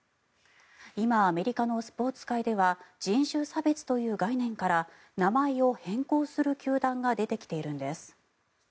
今、アメリカのスポーツ界では人種差別という概念から名前を変更する球団が出てきているんです。